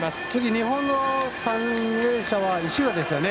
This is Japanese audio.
日本の３泳者は石浦ですよね。